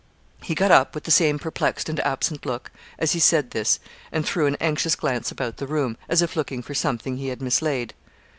He got up, with the same perplexed and absent look, as he said this, and threw an anxious glance about the room, as if looking for something he had mislaid.